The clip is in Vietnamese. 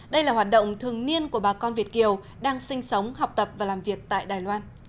đây là hoạt động thường niên của bà con việt kiều đang sinh sống học tập và làm việc tại đài loan